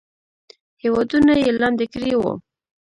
هیوادونه یې لاندې کړي وو.